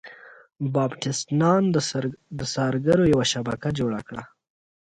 باپټیست نان د څارګرو یوه شبکه جوړه کړه.